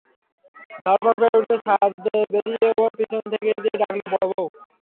ধড়ফড় করে উঠে ছাদে বেরিয়ে ওর পিছনে গিয়ে ডাকলে, বড়োবউ!